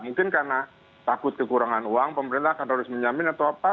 mungkin karena takut kekurangan uang pemerintah akan harus menjamin atau apa